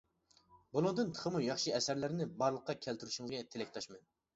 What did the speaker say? بۇنىڭدىن تېخىمۇ ياخشى ئەسەرلەرنى بارلىققا كەلتۈرۈشىڭىزگە تىلەكداشمەن.